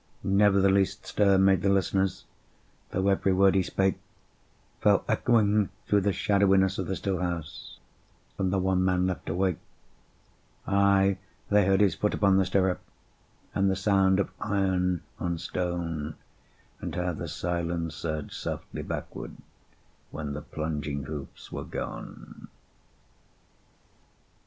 Never the least stir made the listeners, Though every word he spake Fell echoing through the shadowiness of the still house From the one man left awake: Ay, they heard his foot upon the stirrup, And the sound of iron on stone, And how the silence surged softly backward, When the plunging hoofs were gone.